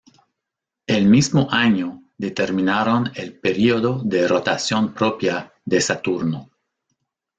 El mismo año determinaron el período de rotación propia de Saturno.